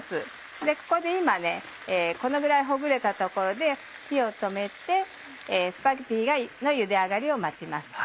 ここで今このぐらいほぐれたところで火を止めてスパゲティのゆで上がりを待ちます。